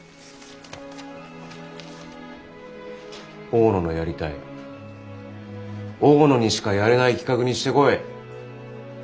大野のやりたい大野にしかやれない企画にしてこい。